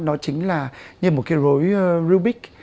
nó chính là như một cái rối rubik